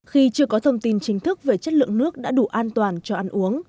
khi chưa có thông tin chính thức về chất lượng nước đã đủ an toàn cho ăn uống